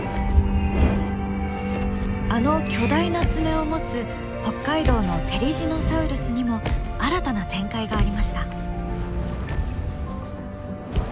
あの巨大な爪を持つ北海道のテリジノサウルスにも新たな展開がありました。